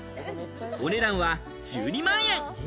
お値段は１２万円。